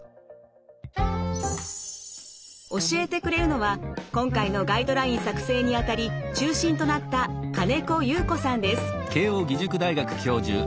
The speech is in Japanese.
教えてくれるのは今回のガイドライン作成にあたり中心となった金子祐子さんです。